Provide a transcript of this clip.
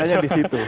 liganya di situ